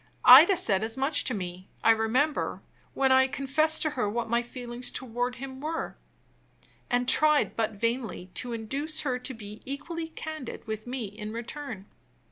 Ida said as much to me, I remember, when I confessed to her what my feelings toward him were, and tried (but vainly) to induce her to be equally candid with me in return.